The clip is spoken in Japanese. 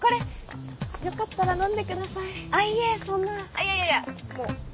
あっいやいやいやもう。